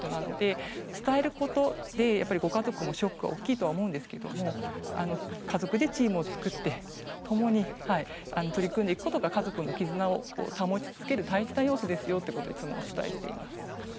伝えることでご家族のショックも大きいと思いますが家族でチームを作ってともに取り組んでいくことが家族の絆を保ち続ける大事な要素ですとお伝えしています。